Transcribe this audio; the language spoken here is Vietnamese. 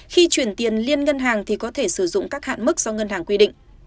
khi chuyển tiền liên ngân hàng thì có thể sử dụng các hạn mức do ngân hàng quy định